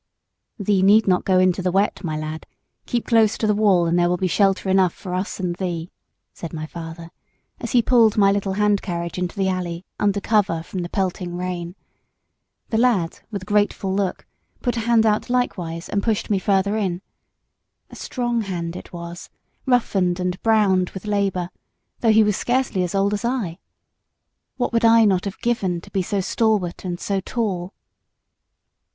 "Thee need not go into the wet, my lad. Keep close to the wall, and there will be shelter enough both for us and thee," said my father, as he pulled my little hand carriage into the alley, under cover, from the pelting rain. The lad, with a grateful look, put out a hand likewise, and pushed me further in. A strong hand it was roughened and browned with labour though he was scarcely as old as I. What would I not have given to have been so stalwart and so tall!